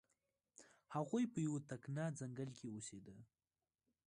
هغوی په یو تکنه ځنګل کې اوسیده.